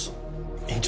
院長